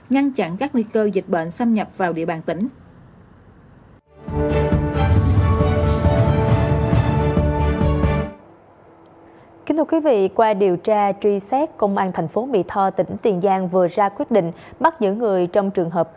ngăn chặn các nguy cơ dịch bệnh xâm nhập vào địa bàn tỉnh